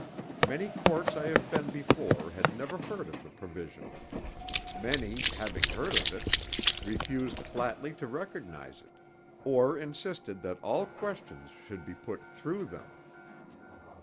Many courts I have been before had never heard of the provision; many, having heard of it, refused flatly to recognize it, or insisted that all questions should be put through them.